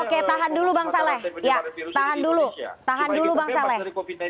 oke tahan dulu bang saleh ya tahan dulu tahan dulu bang saleh